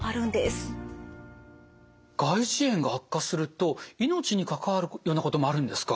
外耳炎が悪化すると命に関わるようなこともあるんですか？